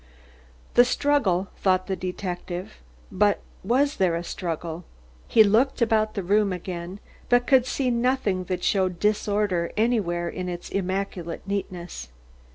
"The struggle," thought the detective, "but was there a struggle?" He looked about the room again, but could see nothing that showed disorder anywhere in its immaculate neatness.